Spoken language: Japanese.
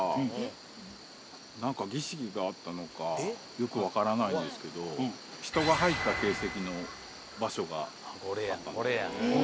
よくわからないんですけど人が入った形跡の場所があったんですよね。